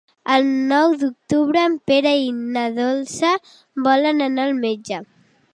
El nou d'octubre en Pere i na Dolça volen anar al metge.